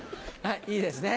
いいですね